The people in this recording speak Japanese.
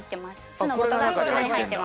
酢の素がそちらに入ってます。